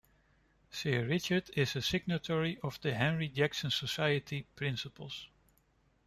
Sir Richard is a signatory of the Henry Jackson Society principles.